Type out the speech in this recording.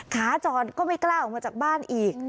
ขาจอดก็ไม่กล้าออกมาจากบ้านอีก